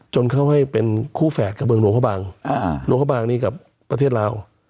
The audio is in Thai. เข้าให้เป็นคู่แฝดกับเมืองหลวงพระบางหลวงพระบางนี้กับประเทศลาว